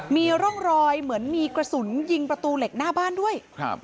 มีร่องรอยเหมือนมีกระสุนยิงประตูเหล็กหน้าบ้านด้วยครับ